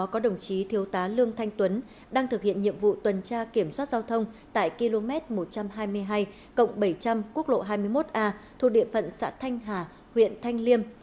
có đồng chí thiếu tá lương thanh tuấn đang thực hiện nhiệm vụ tuần tra kiểm soát giao thông tại km một trăm hai mươi hai bảy trăm linh quốc lộ hai mươi một a thuộc địa phận xã thanh hà huyện thanh liêm